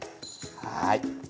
はい。